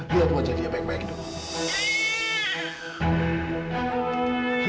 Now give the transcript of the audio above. lihat wajah dia baik baik dulu